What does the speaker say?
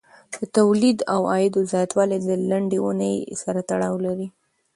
د تولید او عاید زیاتوالی د لنډې اونۍ سره تړاو لري.